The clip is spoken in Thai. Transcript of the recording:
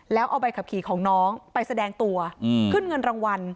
แล้วเอาใบขับขี่ของน้องไปแสดงตัวขึ้นเงินรางวัล